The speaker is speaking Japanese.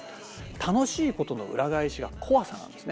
楽しいことの裏返しが怖さなんですね。